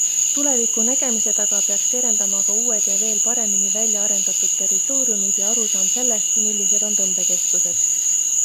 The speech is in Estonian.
Tuleviku nägemise taga peaks terendama ka uued ja veel paremini välja arendatud territooriumid ja arusaam sellest, millised on tõmbekeskused.